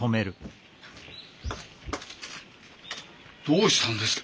どうしたんです？